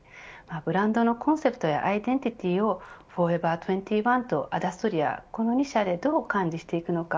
ブランドのコンセプトやアイデンティティーをフォーエバー２１とアダストリアこの２社でどう管理していくのか